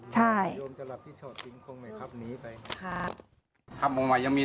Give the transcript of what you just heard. ใช่